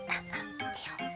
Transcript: いいよ。